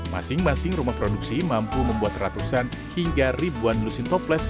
masing masing rumah produksi mampu membuat ratusan hingga ribuan lusin toples